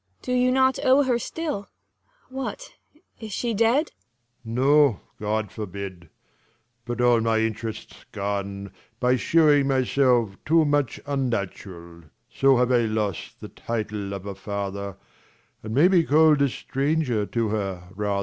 Cor. Do you not owe her still ? what, is she dead ? Leir. No, God forbid : but all my interest's gone, i By shewing myself too much unnatural: *^ 130 \ (I n ilR *"= L *!. SB^ * So have I lost the title of a^ father, And may be call'd a stranger to her rather.